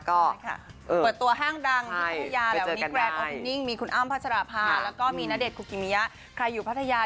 ก็เชิญเชิญเหมือนกันค่ะ